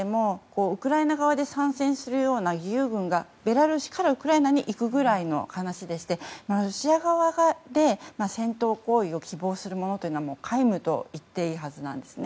逆にベラルーシの中でもウクライナ側で参戦するような義勇軍がベラルーシからウクライナに行くぐらいの話でしてロシア側で戦闘行為を希望する者というのは皆無と言っていいはずなんです。